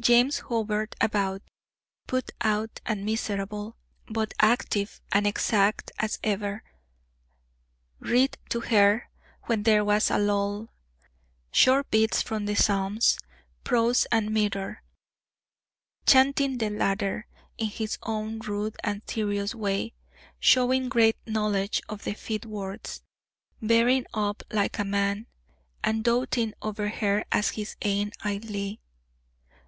James hovered about, put out and miserable, but active and exact as ever; read to her, when there was a lull, short bits from the Psalms, prose and metre, chanting the latter in his own rude and serious way, showing great knowledge of the fit words, bearing up like a man, and doating over her as his "ain Ailie."